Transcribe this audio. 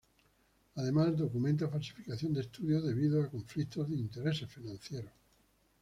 Además documenta falsificación de estudios debido a conflictos de intereses financieros.